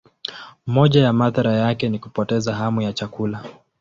Moja ya madhara yake ni kupoteza hamu ya chakula.